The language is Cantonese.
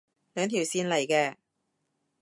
兩條線嚟嘅